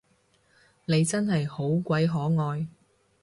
你真係好鬼可愛